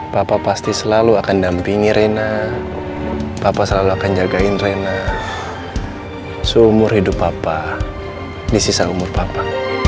bapak pasti selalu akan dampingi rena papa selalu akan jagain rena seumur hidup papa di sisa umur papa